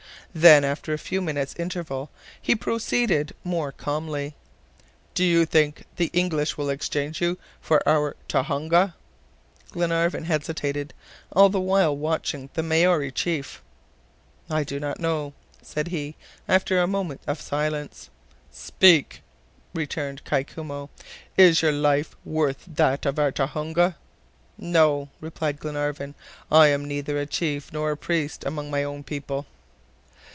Then after a few minutes' interval he proceeded more calmly. "Do you think the English will exchange you for our Tohonga?" Glenarvan hesitated, all the while watching the Maori chief. "I do not know," said he, after a moment of silence. "Speak," returned Kai Koumou, "is your life worth that of our Tohonga?" "No," replied Glenarvan. "I am neither a chief nor a priest among my own people."